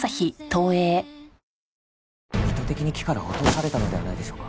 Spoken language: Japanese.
意図的に木から落とされたのではないでしょうか。